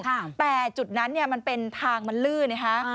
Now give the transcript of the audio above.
แต่จุดนั้นมันเป็นทางมันลื่นนะคะ